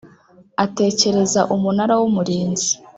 atekereza Umunara w Umurinzi